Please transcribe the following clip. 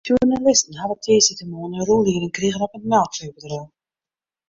Sjoernalisten hawwe tiisdeitemoarn in rûnlieding krigen op it melkfeebedriuw.